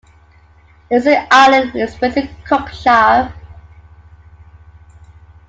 Lizard Island is within Cook Shire.